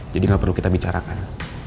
jadi gak perlu kita bicarakan